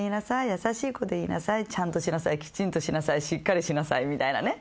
「優しい子でいなさいちゃんとしなさい」「きちんとしなさいしっかりしなさい」みたいなね